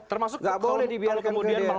tidak boleh dibiarkan ke dia